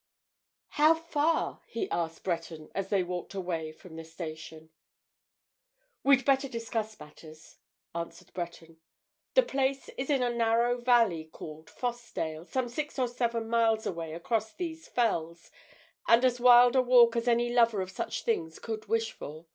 "How far?" he asked Breton as they walked away from the station. "We'd better discuss matters," answered Breton. "The place is in a narrow valley called Fossdale, some six or seven miles away across these fells, and as wild a walk as any lover of such things could wish for.